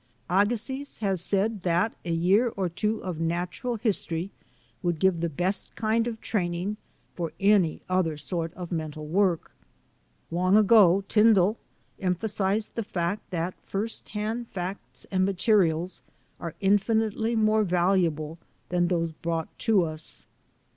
Agassiz has said that a year or two of natural history would give the best kind of training for any other sort of mental work. Long ago Tyndall emphasized the fact that first hand facts and materials are infinitely more valuable than those brought to us.